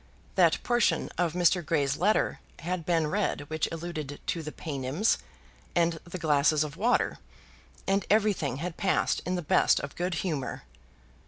That portion of Mr. Grey's letter had been read which alluded to the Paynims and the glasses of water, and everything had passed in the best of good humour.